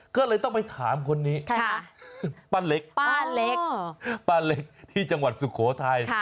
ก็เลยต้องไปถามคนนี้ป้าเล็กที่จังหวัดสุโขทัย